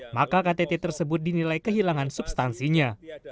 maka ktt tersebut dinilai kehilangan substansinya